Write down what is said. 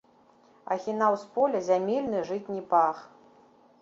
Ахінаў з поля зямельны жытні пах.